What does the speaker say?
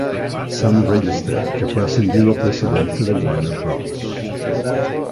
Sam Register, que fue ascendido a presidente de Warner Bros.